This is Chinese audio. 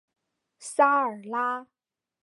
沙尔拉。